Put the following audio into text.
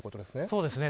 そうですね。